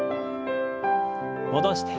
戻して。